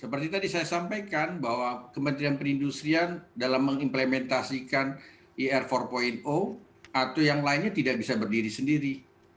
seperti tadi saya sampaikan bahwa kementerian perindustrian dalam mengimplementasikan ir empat atau yang lainnya tidak bisa berdiri sendiri